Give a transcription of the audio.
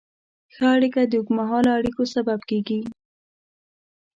ښه اړیکه د اوږدمهاله اړیکو سبب کېږي.